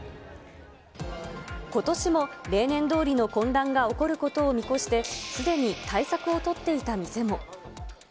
ことしも例年どおりの混乱が起こることを見越して、すでに対策を取っていた店も。